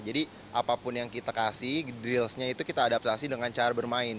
jadi apapun yang kita kasih drillsnya itu kita adaptasi dengan cara bermain